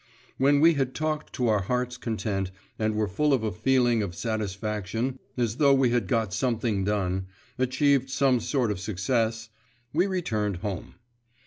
When we had talked to our hearts' content, and were full of a feeling of satisfaction as though we had got something done, achieved some sort of success, we returned home.